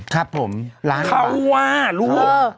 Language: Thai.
ครับผมล้านบาทเขาว่ารู้